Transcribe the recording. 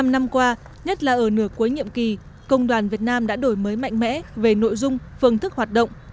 bảy mươi năm năm qua nhất là ở nửa cuối nhiệm kỳ công đoàn việt nam đã đổi mới mạnh mẽ về nội dung phương thức hoạt động